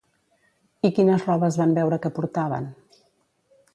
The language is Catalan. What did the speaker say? I quines robes van veure que portaven?